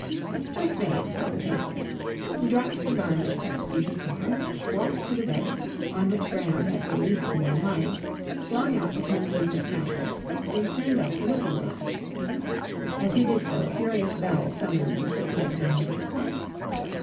"Just made," said the tailor. He dropped the garments at the feet of Graham, walked to the bed, on which Graham had so recently been lying, flung out the translucent mattress, and turned up the looking glass. As he did so a furious bell summoned the thickset man to the corner.